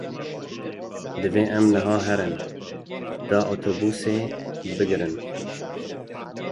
Divê em niha herin, da otobusê bigirin.